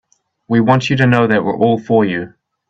We want you to know that we're all for you.